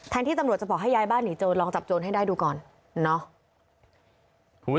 ที่ตำรวจจะบอกให้ย้ายบ้านหนีโจรลองจับโจรให้ได้ดูก่อนเนาะ